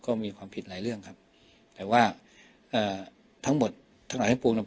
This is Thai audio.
ก็มีความผิดหลายเรื่องครับแต่ว่าเอ่อทั้งหมดทั้งหลายทั้งปวงเนี่ย